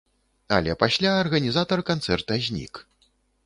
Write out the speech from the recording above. Але пасля арганізатар канцэрта знік.